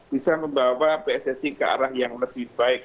bisa membawa pssi ke arah yang lebih baik